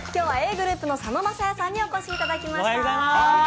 ｇｒｏｕｐの佐野晶哉さんにお越しいただきました。